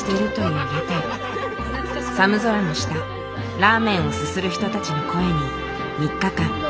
寒空の下ラーメンをすする人たちの声に３日間耳を傾けた。